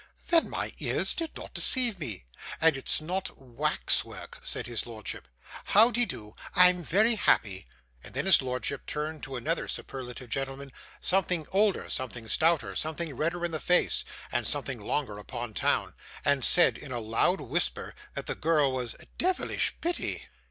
'Then my ears did not deceive me, and it's not wa a x work,' said his lordship. 'How de do? I'm very happy.' And then his lordship turned to another superlative gentleman, something older, something stouter, something redder in the face, and something longer upon town, and said in a loud whisper that the girl was 'deyvlish pitty.